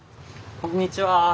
こんにちは。